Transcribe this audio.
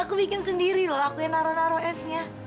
aku bikin sendiri loh aku yang naruh naruh esnya